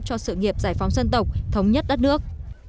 cho sự nghiệp giải phóng dân tộc thống nhất đất nước